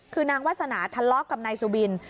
คือนางวาสนาทะเลาะกับนายสุบิน